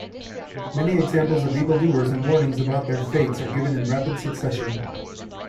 Many examples of evildoers and warnings about their fates are given in rapid succession.